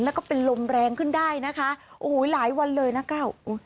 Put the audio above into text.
แล้วก็เป็นลมแรงขึ้นได้นะคะโอ้โหหลายวันเลยนะก้าว